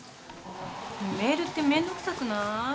メールってめんどくさくない？